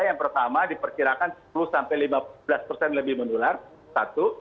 yang pertama diperkirakan sepuluh lima belas lebih menular satu